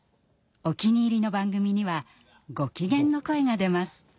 お気に入りの番組にはご機嫌の声が出ます。